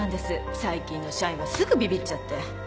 最近の社員はすぐびびっちゃって。